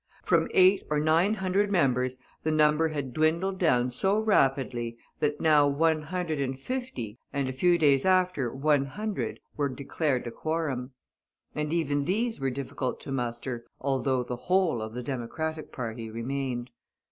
From eight or nine hundred members the number had dwindled down so rapidly that now one hundred and fifty, and a few days after one hundred, were declared a quorum. And even these were difficult to muster, although the whole of the Democratic party remained.